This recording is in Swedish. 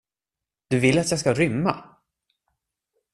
Du vill att jag ska rymma?